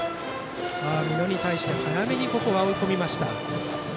美濃に対して早めに追い込みました。